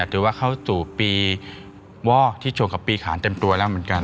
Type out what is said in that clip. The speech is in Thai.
ถือว่าเข้าสู่ปีว่อที่ชงกับปีขานเต็มตัวแล้วเหมือนกัน